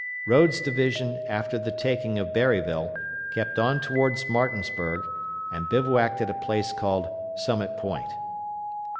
Rodes' division, after the taking of Berryville, kept on towards Martinsburg, and bivouacked at a place called Summit Point.